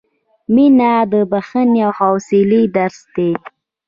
• مینه د بښنې او حوصلې درس دی.